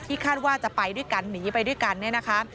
คาดว่าจะไปด้วยกันหนีไปด้วยกันเนี่ยนะคะ